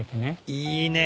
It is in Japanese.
いいねえ。